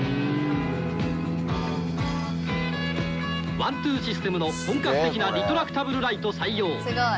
ワンツーシステムの本格的なリトラクタブルライト採用。